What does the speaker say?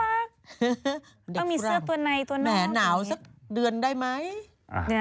ด้านล่างเกิดต้องมีเสื้อตัวในตัวหน้าเหลือนได้ไหม